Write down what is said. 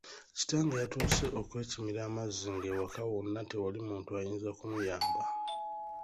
Kitange yatuuse okwekimira amazzi ng'ewaka wonna tewali muntu ayinza kumuyamba.